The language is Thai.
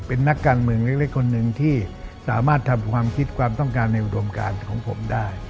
เป็นนักการเมืองเล็กคนหนึ่งที่สามารถทำความคิดความต้องการในอุดมการของผมได้